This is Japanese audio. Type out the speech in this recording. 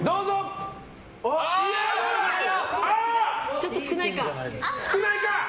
ちょっと少ないか。